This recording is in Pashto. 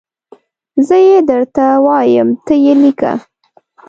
زه یي درته وایم ته یي لیکه